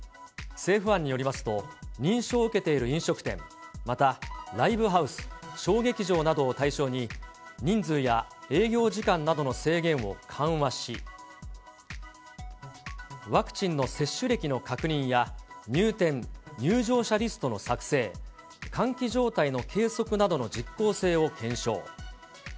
政府案によりますと、認証を受けている飲食店、またライブハウス、小劇場などを対象に、人数や営業時間などの制限を緩和し、ワクチンの接種歴の確認や入店・入場者リストの作成、換気状態の計測などの実効性を検証。